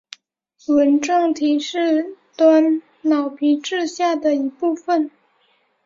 纹状体是端脑皮质下的一部份。